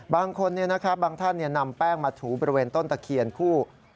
บางคนบางท่านนำแป้งมาถูบริเวณต้นตะเคียนคู่